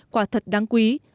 quả thật đáng quý